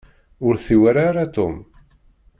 Ur t-iwala ara Tom.